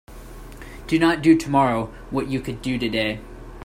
Do not do tomorrow what you could do today.